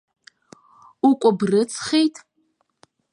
Укәыбрыцхеит?!